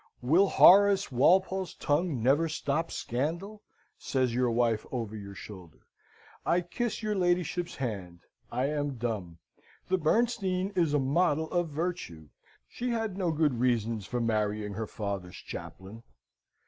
'Will Horace Walpole's tongue never stop scandal?' says your wife over your shoulder. I kiss your ladyship's hand. I am dumb. The Bernstein is a model of virtue. She had no good reasons for marrying her father's chaplain.